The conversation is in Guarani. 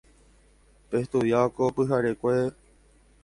Pestudia ko pyharekue.